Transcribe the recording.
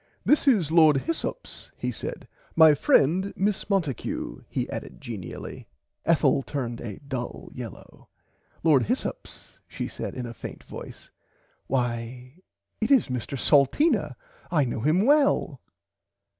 This is Lord Hyssops he said my friend Miss Monticue he added genially. Ethel turned a dull yellaw. Lord Hyssops she said in a faint voice why it is Mr Salteena I know him well.